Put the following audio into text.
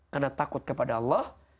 karena takut kepada allah